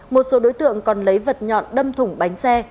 một số đối tượng còn lấy vật nhọn đâm thủng bánh xe